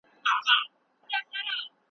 که ښځې اتحادیه جوړه کړي نو حق به نه وي ضایع.